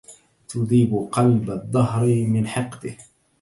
تُذيبُ قَلب الدهرِ من حِقدِه